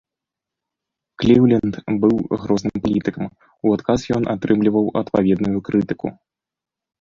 Кліўленд быў грозным палітыкам, у адказ ён атрымліваў адпаведную крытыку.